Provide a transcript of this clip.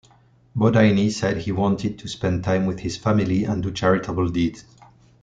Bodine said he wanted to spend time with his family and do charitable deeds.